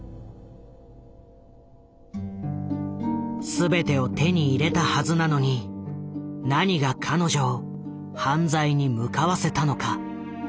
全てを手に入れたはずなのに何が彼女を犯罪に向かわせたのか。